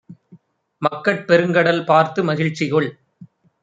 மக்கட் பெருங்கடல் பார்த்து மகிழ்ச்சிகொள்!